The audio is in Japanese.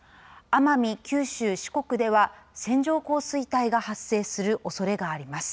奄美、九州、四国では線状降水帯が発生するおそれがあります。